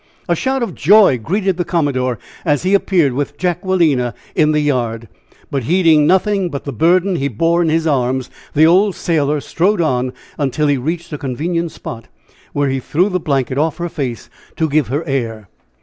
A shout of joy greeted the commodore as he appeared with Jacquelina in the yard. But heeding nothing but the burden he bore in his arms, the old sailor strode on until he reached a convenient spot, where he threw the blanket off her face to give her air.